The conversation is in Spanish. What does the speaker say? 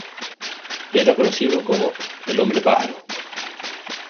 Era conocido como el "hombre pájaro".